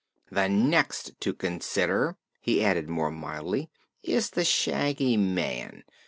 The next to consider," he added more mildly, "is the Shaggy Man.